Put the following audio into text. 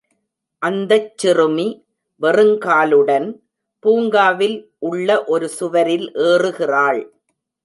அந்தச் சிறுமி வெறுங்காலுடன், பூங்காவில் உள்ள ஒரு சுவரில் ஏறுகிறாள்.